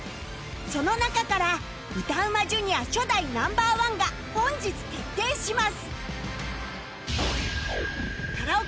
その中から歌うま Ｊｒ． 初代 Ｎｏ．１ が本日決定します